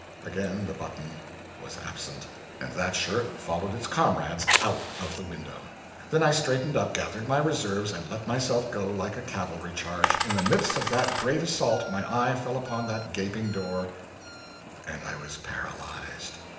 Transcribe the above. Again the button was absent, and that shirt followed its comrades out of the window. Then I straightened up, gathered my reserves, and let myself go like a cavalry charge. In the midst of that great assault, my eye fell upon that gaping door, and I was paralyzed.